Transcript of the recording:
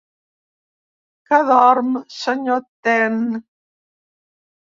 Que dorm, senyor Ten?